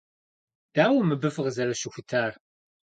Дауэ мыбы фыкъызэрыщыхутар?